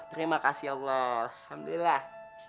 terima kasih allah alhamdulillah